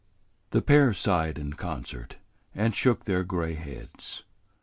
The pair sighed in concert and shook their gray heads.